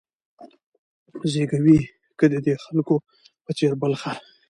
زېږوې که د دې خلکو په څېر بل خر